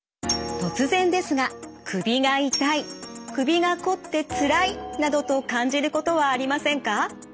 突然ですが首が痛い首がこってつらいなどと感じることはありませんか。